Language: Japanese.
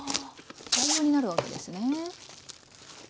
代用になるわけですね。